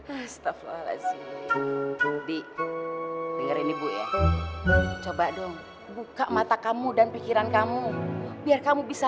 astagfirullahaladzim dikubur ini bu ya coba dong buka mata kamu dan pikiran kamu biar kamu bisa